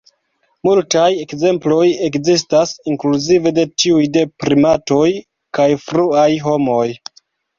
Multaj ekzemploj ekzistas, inkluzive de tiuj de primatoj kaj fruaj homoj.